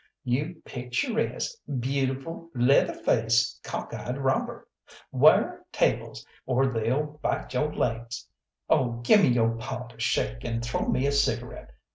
You picturesque, beautiful, leather faced, cock eyed robber! 'Ware tables, or they'll bite yo' laigs! Oh, gimme yo' paw to shake, and throw me a cigarette.